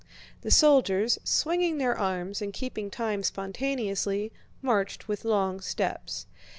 The soldiers, swinging their arms and keeping time spontaneously, marched with long steps.